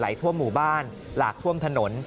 ทั่วหมู่บ้านหลากท่วมถนน